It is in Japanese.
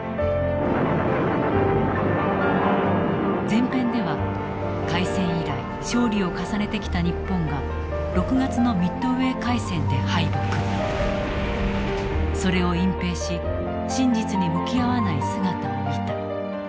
前編では開戦以来勝利を重ねてきた日本が６月のミッドウェー海戦で敗北それを隠蔽し真実に向き合わない姿を見た。